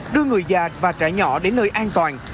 đưa người già và trẻ nhỏ đến nơi an toàn